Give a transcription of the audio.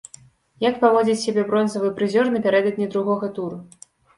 Як паводзіць сябе бронзавы прызёр напярэдадні другога туру?